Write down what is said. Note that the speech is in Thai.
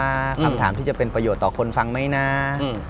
คำถามที่จะเป็นประโยชน์ต่อคนฟังไหมนะ